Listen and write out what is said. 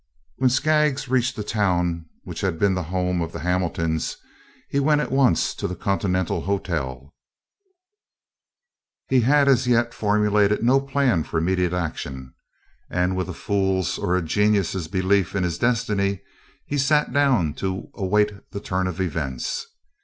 When Skaggs reached the town which had been the home of the Hamiltons, he went at once to the Continental Hotel. He had as yet formulated no plan of immediate action and with a fool's or a genius' belief in his destiny he sat down to await the turn of events.